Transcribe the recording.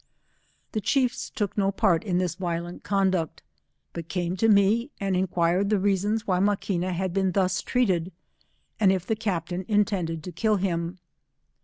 The chiefs took no j)art in this violent conduct, but came to me, and enquired the reason why Maquina had been thus treated, and if the captain intended to kill him.